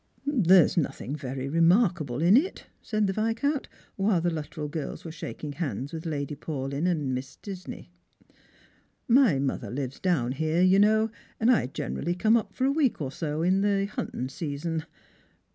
" There's nothing very remarkable in it," said the Viscount, while the Luttrell girls were shaking hands with Lady Paulyn and Miss Disney; "my mother lives down here you know, and I generally come for a week or so in the huntin' season.